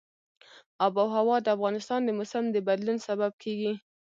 آب وهوا د افغانستان د موسم د بدلون سبب کېږي.